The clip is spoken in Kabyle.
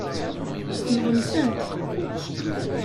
Nɣem-tent.